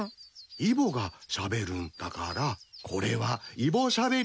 イボがしゃべるんだからこれはイボしゃべりだね。